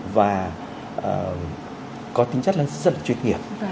và có tính chất là rất là chuyên nghiệp